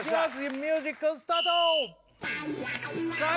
ミュージックスタートさあい